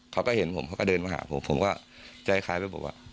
เขาก็เห็นผมเขาก็เดินมาหาผมผมก็ใจคล้ายไปบอกว่า